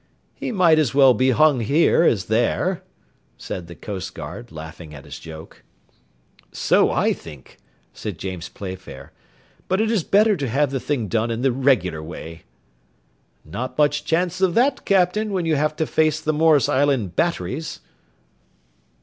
"He might as well be hung here as there," said the coast guard, laughing at his joke. "So I think," said James Playfair, "but it is better to have the thing done in the regular way." "Not much chance of that, Captain, when you have to face the Morris Island batteries."